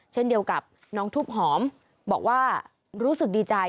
เช่นเดียวกับน้องทุบหอมบอกว่ารู้สึกดีใจ